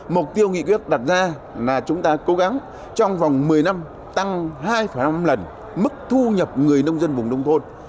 mục tiêu nghị quyết đặt ra là chúng ta cố gắng trong vòng một mươi năm tăng hai năm lần mức thu nhập người nông dân vùng nông thôn